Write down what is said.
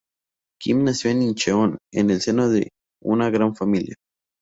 Kim nació en Incheon en el seno de una gran familia.